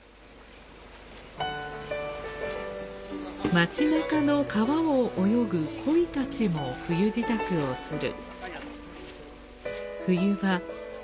町中の川を泳ぐ鯉たちも冬支度をする。